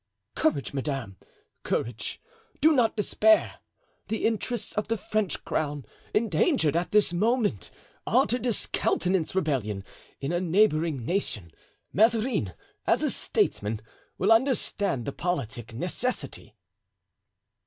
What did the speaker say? "Courage, madame! courage! Do not despair! The interests of the French crown, endangered at this moment, are to discountenance rebellion in a neighboring nation. Mazarin, as a statesman, will understand the politic necessity."